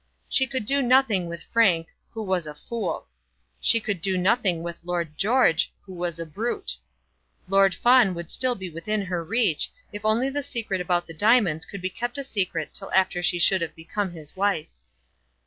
She could do nothing with Frank, who was a fool! She could do nothing with Lord George, who was a brute! Lord Fawn would still be within her reach, if only the secret about the diamonds could be kept a secret till after she should have become his wife.